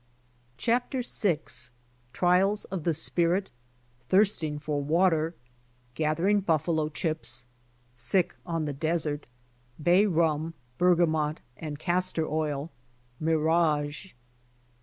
CHAPTER VI TRIALS OF THE SPIRIT. — I'HIRSTING FOR WATER. — GATH ERING BUFFALO CHIPS. — SICK ON THE DESERT. — P,AY RUM^ BERGAMONT^ AND CASTOR OIL. — MIRAGE.